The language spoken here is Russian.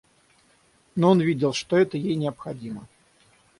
Но он видел, что это ей необходимо.